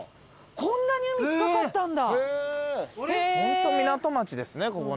こんなに海近かったんだ。